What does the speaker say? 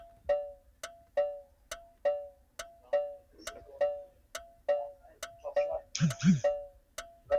বললে, নিশ্চয় বসন্ত বসে গিয়েছে।